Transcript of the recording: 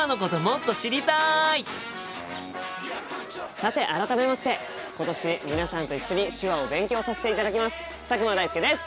さて改めまして今年皆さんと一緒に手話を勉強させていただきます佐久間大介です！